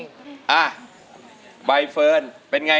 แต่ไม่เคยร้อง